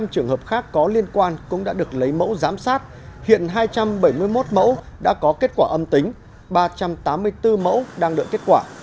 một mươi trường hợp khác có liên quan cũng đã được lấy mẫu giám sát hiện hai trăm bảy mươi một mẫu đã có kết quả âm tính ba trăm tám mươi bốn mẫu đang đợi kết quả